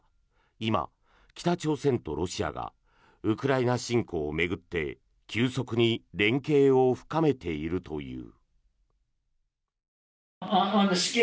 今、北朝鮮とロシアがウクライナ侵攻を巡って急速に連携を深めているという。